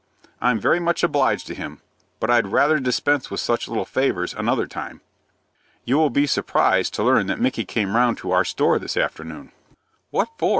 I'm very much obliged to him, but I'd rather dispense with such little favors another time." "You will be surprised to learn that Micky came round to our store this afternoon." "What for?"